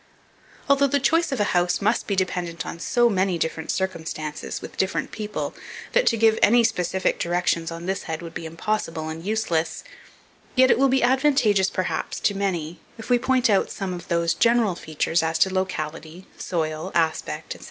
Although the choice of a house must be dependent on so many different circumstances with different people, that to give any specific directions on this head would be impossible and useless; yet it will be advantageous, perhaps, to many, if we point out some of those general features as to locality, soil, aspect, &c.